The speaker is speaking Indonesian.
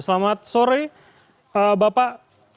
selamat sore bapak